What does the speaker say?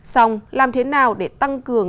xong làm thế nào để tăng cường